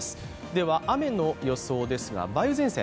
では雨の予想ですが、梅雨前線。